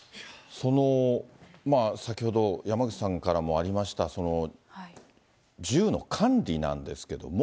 先ほど山口さんからもありました、銃の管理なんですけれども。